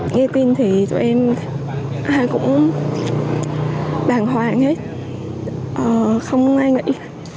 nghe tin thì tụi em cũng đàng hoàng hết không ai nghĩ